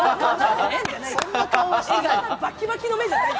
そんな顔してない。